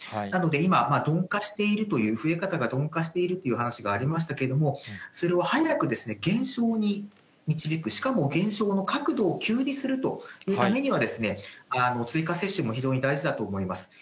なので今、鈍化しているという、増え方が鈍化しているという話がありましたけれども、それを早く減少に導く、しかも減少の角度を急にするというためには、追加接種も非常に大事だと思います。